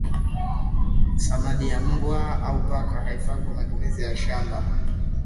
samadi ya mbwa au paka haifai kwa matumizi ya shamba